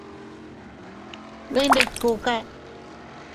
Iyndè ndikuka.